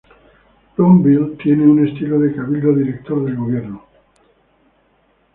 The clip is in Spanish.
Brownsville tiene un estilo de Cabildo-Director del Gobierno.